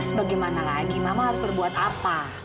ya sebagaimana lagi mama harus berbuat apa